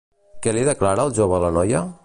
Què li declara el jove a la noia?